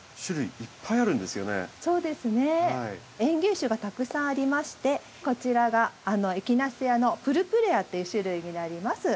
園芸種がたくさんありましてこちらがエキナセアのプルプレアっていう種類になります。